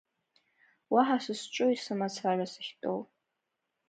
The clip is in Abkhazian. Уаҳа сызҿуи сымацара сахьтәоу.